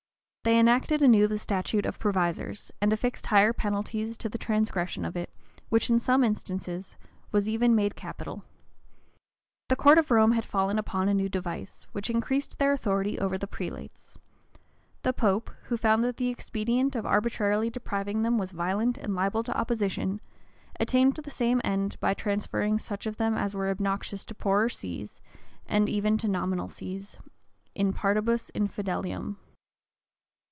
They enacted anew the statute of "provisors," and affixed higher penalties to the transgression of it, which, in some instances, was even made capital.[*] The court of Rome had fallen upon a new device, which increased their authority over the prelates: the pope, who found that the expedient of arbitrarily depriving them was violent, and liable to opposition, attained the same end by transferring such of them as were obnoxious to poorer sees, and even to nominal sees, "in partibus infidelium."